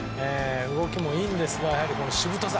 動きもいいんですが、しぶとさ。